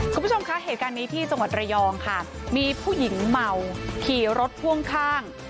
คุณผู้ชมคะเหตุการณ์นี้ที่จังหวัดระยองค่ะมีผู้หญิงเมาขี่รถพ่วงข้าง